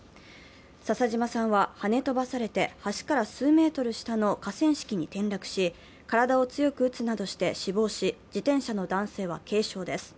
笹嶋さんははね飛ばされて橋から数メートル下の河川敷に転落し体を強く打つなどして死亡し、自転車の男性は軽傷です。